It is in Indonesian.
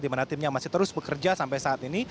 di mana timnya masih terus bekerja sampai saat ini